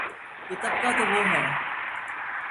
یہ طبقہ تو وہ ہے۔